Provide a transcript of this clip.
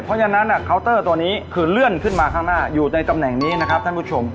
เพราะฉะนั้นเคาน์เตอร์ตัวนี้คือเลื่อนขึ้นมาข้างหน้าอยู่ในตำแหน่งนี้นะครับท่านผู้ชม